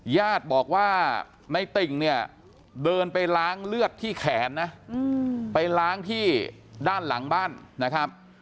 ญาติบอกว่าในติ่งเนี่ยเดินไปล้างเลือดที่แขนนะไปล้างที่ด้านหลังบ้านนะครับ